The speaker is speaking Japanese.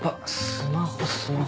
スマホスマホ。